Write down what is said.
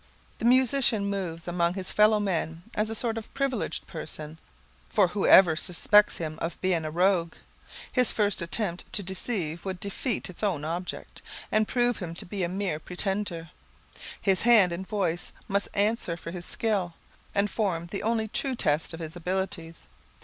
The musician moves among his fellow men as a sort of privileged person; for who ever suspects him of being a rogue? His first attempt to deceive would defeat its own object, and prove him to be a mere pretender. His hand and voice must answer for his skill, and form the only true test of his abilities.